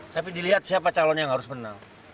tapi dilihat siapa calon yang harus menang